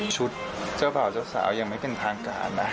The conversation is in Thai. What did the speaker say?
ชุดเจ้าบ่าวเจ้าสาวยังไม่เป็นทางการนะ